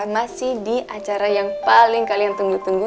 masih di acara yang paling kalian tunggu tunggu